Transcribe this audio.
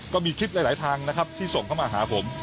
ก็มีคลิปหลายทางนะครับที่ส่งเข้ามาหาผม